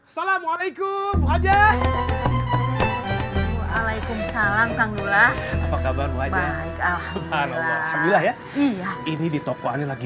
salamualaikum wajah alaikum salam kang dula apa kabar wajah alhamdulillah ya iya ini di tokoan lagi